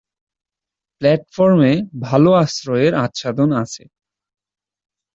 প্ল্যাটফর্মে ভাল আশ্রয়ের আচ্ছাদন আছে।